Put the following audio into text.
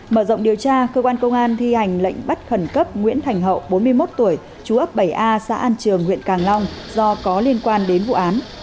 mở rộng điều tra cơ quan công an thi hành lệnh bắt khẩn cấp nguyễn thành hậu bốn mươi một tuổi chú ấp bảy a xã an trường huyện càng long do có liên quan đến vụ án